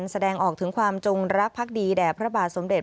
แสดงออกถึงความจงรักภักดีแด่พระบาทสมเด็จ